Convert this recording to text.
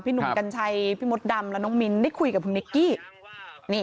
หนุ่มกัญชัยพี่มดดำและน้องมิ้นได้คุยกับคุณนิกกี้